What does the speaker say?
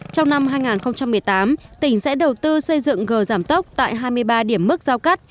trong năm hai nghìn một mươi tám tỉnh sẽ đầu tư xây dựng gờ giảm tốc tại hai mươi ba điểm mức giao cắt